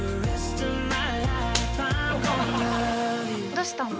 どしたの？